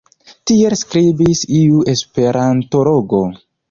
Tiel skribis iu esperantologo.